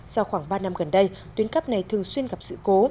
sau khoảng ba năm gần đây tuyến cắp này thường xuyên gặp sự cố